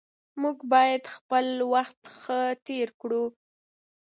موږ باید خپل وخت ښه تیر کړو